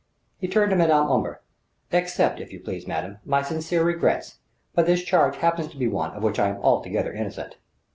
He turned to Madame Omber: "Accept, if you please, madame, my sincere regrets ... but this charge happens to be one of which I am altogether innocent."